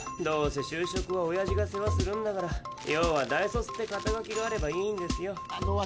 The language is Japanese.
どうせ就職はおやじが世話するんだから要は大卒ってかた書きがあればいいんですよ。